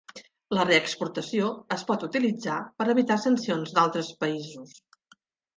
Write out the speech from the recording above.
La re-exportació es pot utilitzar per evitar sancions d'altres països.